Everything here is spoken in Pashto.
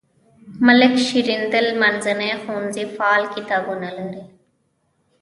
ملک شیریندل منځنی ښوونځی فعال کتابتون لري.